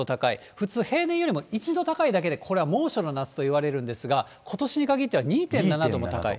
普通平年よりも１度高いだけでこれは猛暑の夏といわれるんですが、ことしにかぎっては２．７度も高い。